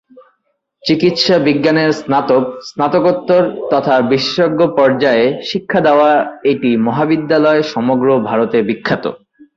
চিকিৎসা বিজ্ঞানের স্নাতক, স্নাতকোত্তর তথা বিশেষজ্ঞ পর্যায়ের শিক্ষা দেওয়া এটি মহাবিদ্যালয় সমগ্র ভারতে বিখ্যাত।